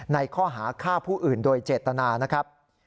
ในข้อหาฆ่าผู้อื่นโดยเจตนานะครับ